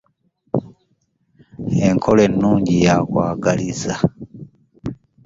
Enkola ennungi ya kwagaliza.